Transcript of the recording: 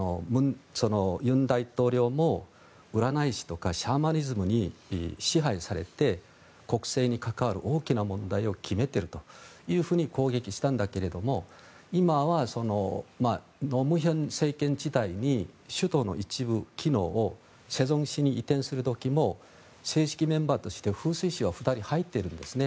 尹大統領も占い師とかシャーマニズムに支配されて国政に関わる大きな問題を決めているというふうに攻撃したんだけども今は盧武鉉政権時代に首都の一部機能を世宗市に移転する時も正式メンバーとして風水師は２人入ってるんですね。